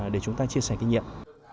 để chúng ta chia sẻ kinh nghiệm